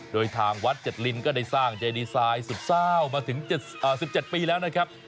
โดยทางวัดเจ็ดลินก็ได้สร้างเจดีทรายสุดเศร้ามาถึง๑๗ปีแล้วนะครับ